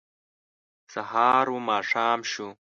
سهار و ماښام شو